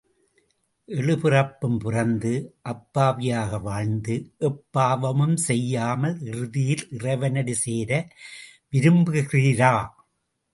ஏழு பிறப்புப் பிறந்து அப்பாவியாக வாழ்ந்து எப்பாவமும் செய்யாமல் இறுதியில் இறைவனடி சேர விரும்புகிறீரா?